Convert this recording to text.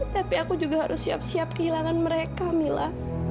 tapi aku juga harus siap siap kehilangan mereka mila